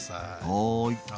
はい。